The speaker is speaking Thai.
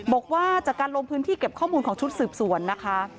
บอกว่าจากการลงพื้นที่เก็บข้อมูลของชุดสืบสวนนะคะ